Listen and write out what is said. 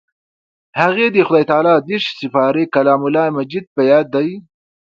هغې د خدای تعالی دېرش سپارې کلام الله مجيد په ياد دی.